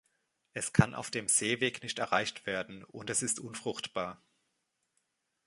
Es kann auf dem Seeweg nicht erreicht werden, und es ist unfruchtbar.